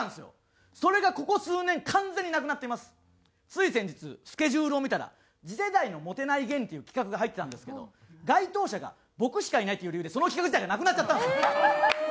つい先日スケジュールを見たら次世代のモテない芸人っていう企画が入ってたんですけど該当者が僕しかいないっていう理由でその企画自体がなくなっちゃったんですよ。